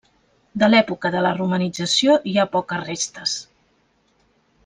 De l'Època de la romanització, hi ha poques restes.